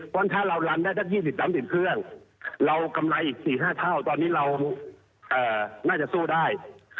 เพราะถ้าเรารันได้สัก๒๐๓๐เครื่องเรากำไรอีก๔๕เท่าตอนนี้เราน่าจะสู้ได้